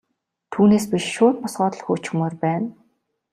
Түүнээс биш шууд босгоод л хөөчихмөөр байна.